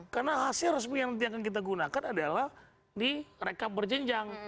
karena hasil resmi yang nanti akan kita gunakan adalah di rekap berjenjang